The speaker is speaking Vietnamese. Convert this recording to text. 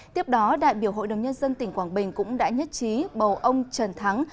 tiếp đó đại biểu hội đồng nhân dân tỉnh quảng bình cũng đã nhất trí bầu ông trần thắng